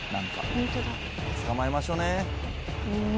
捕まえましょうね。